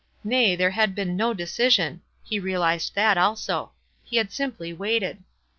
Nay, there had been no decision — he realized that also ; he had simply waited.